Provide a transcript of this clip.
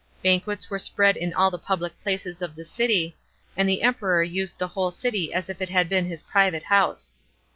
Banquets were spread in all the public places of the city, and the Emperor used the whole city as if it had been his private house.